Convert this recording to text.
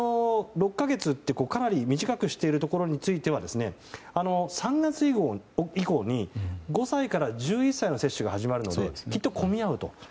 ６か月とかなり短くしているところについては３月以降に５歳から１１歳の接種が始まるので、きっと混み合うと。